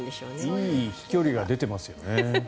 いい飛距離が出てますね。